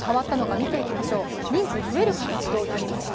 人数、増える形となりました。